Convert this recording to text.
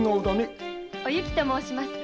おゆきと申します。